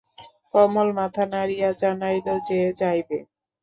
কমলা মাথা নাড়িয়া জানাইল যে, যাইবে।